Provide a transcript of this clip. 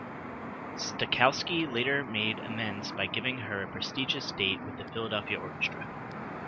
Stokowski later made amends by giving her a prestigious date with the Philadelphia Orchestra.